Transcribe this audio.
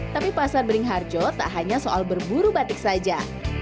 tapi pasar beringharjo tak hanya soal berburu batik saja